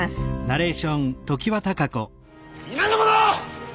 皆の者！